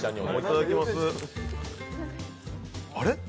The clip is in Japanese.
あれ？